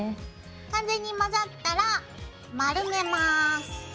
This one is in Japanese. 完全に混ざったら丸めます。